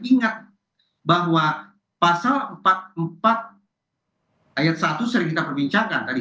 ingat bahwa pasal empat puluh empat ayat satu sering kita perbincangkan tadi